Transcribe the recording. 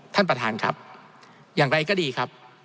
ท่านประธานครับอย่างไรก็ดีครับ